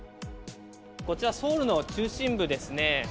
こちら、ソウルの中心部ですね。